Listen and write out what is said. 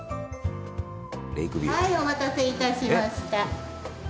はいお待たせいたしました。